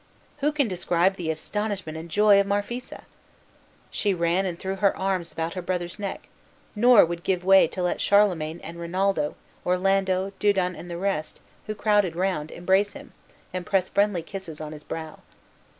Who can describe the astonishment and joy of Marphisa! She ran and threw her arms about her brother's neck, nor would give way to let Charlemagne and Rinaldo, Orlando, Dudon, and the rest, who crowded round, embrace him, and press friendly kisses on his brow.